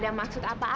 ya aku juga